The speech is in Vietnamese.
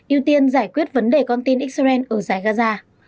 ưu tiên giải quyết vấn đề con tin israel ở giải gaza